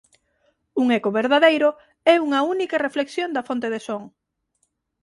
Un eco verdadeiro é unha única reflexión da fonte de son.